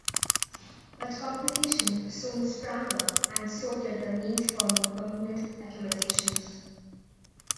But competition soon sprang up and so did the need for more permanent accommodations.